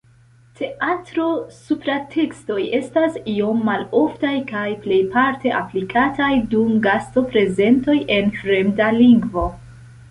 Teatro-supratekstoj estas iom maloftaj kaj plejparte aplikataj dum gasto-prezentoj en fremda lingvo.